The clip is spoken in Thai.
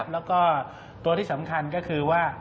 แล้วก็ตัวที่สำคัญก็คือว่า